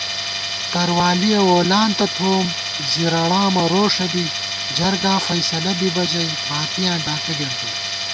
تروالِیَہ وولانتہ تھوووم، زِرَڑامہ روݭہ بی جرگافَیصلہ بِبہ ژَئی ، باتِیاں ڈاکہ گېنٹُوم